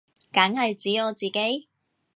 梗係指我自己